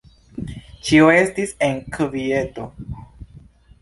Ĉio estis en kvieto.